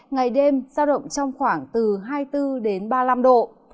ngày đêm giao động trong khoảng từ hai mươi bốn đến ba mươi năm độ